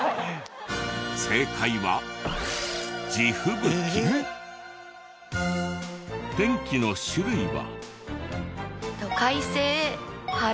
正解は天気の種類は。